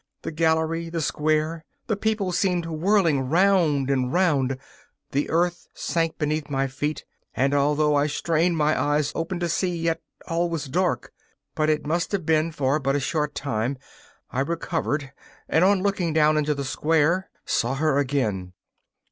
The gallery, the square, the people seemed whirling round and round; the earth sank beneath my feet, and, although I strained my eyes open to see, yet all was dark. But it must have been for but a short time; I recovered, and, on looking down into the square, saw her again.